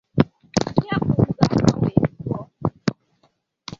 nke bụ ụzụ akwa wee tụọ.